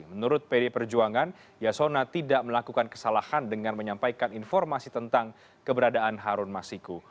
menurut pd perjuangan yasona tidak melakukan kesalahan dengan menyampaikan informasi tentang keberadaan harun masiku